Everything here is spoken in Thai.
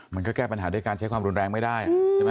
มันก็แก้ปัญหาด้วยการใช้ความรุนแรงไม่ได้ใช่ไหม